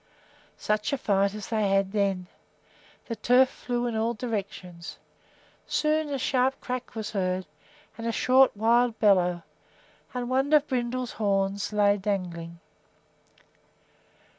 Such a fight as there was then! The turf flew in all directions. Soon a sharp crack was heard, and a short, wild bellow, and one of Brindle's horns hung dangling.